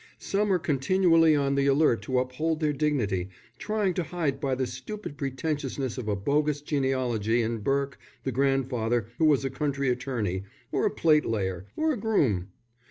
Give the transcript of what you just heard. Some are continually on the alert to uphold their dignity, trying to hide by the stupid pretentiousness of a bogus genealogy in Burke, the grandfather who was a country attorney, or a plate layer, or a groom.